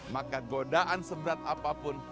maka godaan seberat apapun